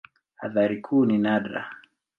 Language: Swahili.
Athari kuu ni nadra.